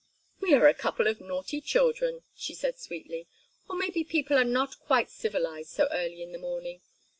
"We are a couple of naughty children," she said, sweetly. "Or maybe people are not quite civilized so early in the morning.